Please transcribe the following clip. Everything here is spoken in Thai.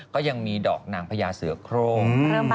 ก็ยังมีดอกนางพญาเสือโครง